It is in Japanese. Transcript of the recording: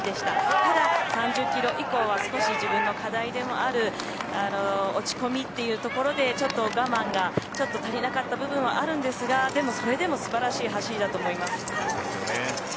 ただ、３０キロ以降は少し自分の課題でもある落ち込みというところでちょっと我慢がちょっと足りなかった部分はあるんですがでも、それでも素晴らしい走りだと思います。